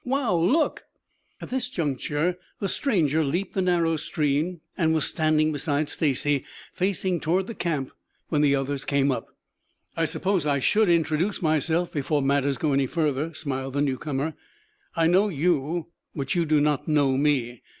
"Wow! Look!" At this juncture the stranger leaped the narrow stream and was standing beside Stacy facing toward the camp when the others came up. "I suppose I should introduce myself before matters go any further," smiled the newcomer. "I know you, but you do not know me.